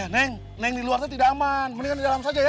neng neng di luar itu tidak aman mendingan di dalam saja ya